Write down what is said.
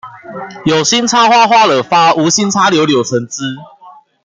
有心插花花惹發，無心插柳柳橙汁